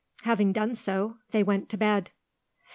Having done so, they went to bed.